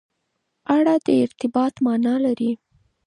اړه د ارتباط معنا لري.